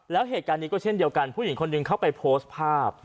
แล้วเหตุการณ์นี้ก็เช่นเดียวกันผู้หญิงคนหนึ่งเข้าไปโพสต์ภาพ